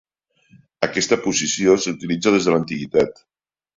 Aquesta posició s'utilitza des de l'antiguitat.